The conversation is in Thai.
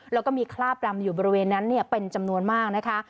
แล้วก็มีคราบรำอยู่บริเวณนั้นเป็นจำนวนมากนะคะ